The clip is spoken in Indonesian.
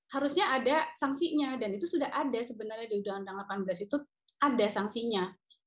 harusnya ada sanksinya dan itu sudah ada sebenarnya di undang undang delapan belas itu ada sanksinya